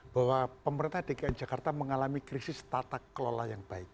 bahwa pemerintah dki jakarta mengalami krisis tata kelola yang baik